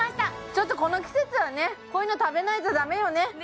ちょっとこの季節はねこういうの食べないとダメよね